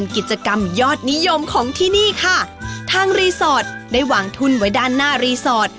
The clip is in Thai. กิจกรรมยอดนิยมของที่นี่ค่ะทางรีสอร์ทได้วางทุนไว้ด้านหน้ารีสอร์ท